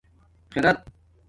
خِرت